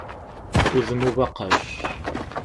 Udem ubaqac.